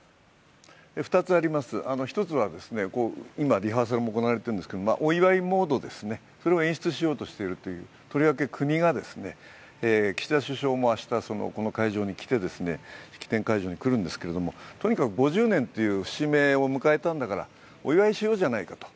２つあります、１つは、今リハーサルも行われているんですけれども、お祝いモードを演出しようとしている、とりわけ国が岸田首相も明日この式典会場に来るんですけれどもとにかく５０年という節目を迎えたんだからお祝いしようじゃないかと。